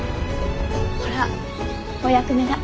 ほらお役目だ。